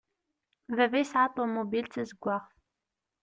Baba yesɛa ṭumubil d tazeggaɣt.